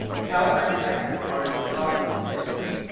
_ Hell and Heaven are in the hearts of men.